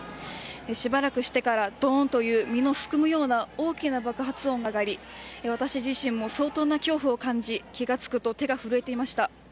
しばらくしてからドーンという身のすくむような大きな爆発音が上がり私自身も相当な恐怖を感じ気が付くと手が震えていました。